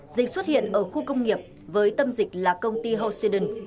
dịch xuất hiện ở khu công nghiệp với tâm dịch là công ty hoshiden